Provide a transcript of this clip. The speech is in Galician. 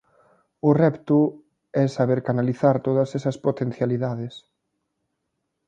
O repto é saber canalizar todas estas potencialidades.